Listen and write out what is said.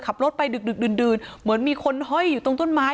ขับรถไปดึกดื่นเหมือนมีคนห้อยอยู่ตรงต้นไม้